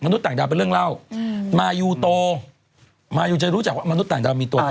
นางต้องไปหาหมอมา